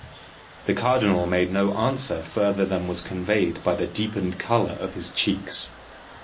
The cardinal made no answer further than was conveyed by the deepened colour of his cheeks.